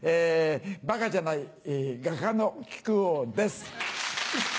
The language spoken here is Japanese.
バカじゃない画家の木久扇です。